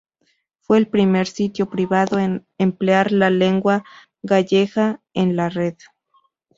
Fue el primer sitio privado en emplear la lengua gallega en la red.